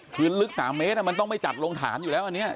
คือลึก๓เมตรมันต้องไม่จัดลงฐานอยู่แล้วอันนี้